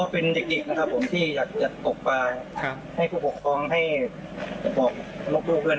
นะครับผมที่อยากจะตกปลายครับให้ผู้ปกครองให้บอกลูกเพื่อน